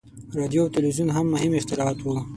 • راډیو او تلویزیون هم مهم اختراعات وو.